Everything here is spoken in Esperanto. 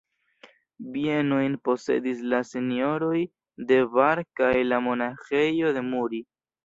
Bienojn posedis la Senjoroj de Baar kaj la Monaĥejo de Muri.